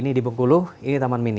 ini di bengkulu ini taman mini